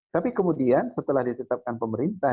tapi kemudian setelah ditetapkan pemerintah